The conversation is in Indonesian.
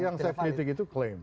yang saya kritik itu klaim